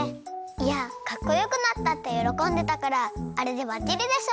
いやかっこよくなったってよろこんでたからあれでバッチリでしょ！